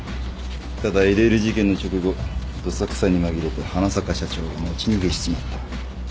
ただ ＬＬ 事件の直後どさくさに紛れて花坂社長が持ち逃げしちまった